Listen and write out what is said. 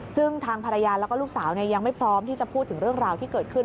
ซึ่งทางภรรยาแล้วก็ลูกสาวยังไม่พร้อมที่จะพูดถึงเรื่องราวที่เกิดขึ้น